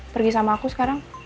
pergi sama aku sekarang